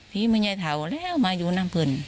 ผีมือใยเถาแล้วมาอยู่น้ำเพลิน